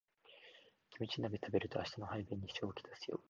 キムチ鍋食べると明日の排便に支障をきたすよ